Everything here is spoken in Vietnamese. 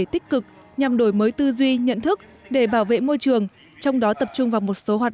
tích cực nhằm đổi mới tư duy nhận thức để bảo vệ môi trường trong đó tập trung vào một số hoạt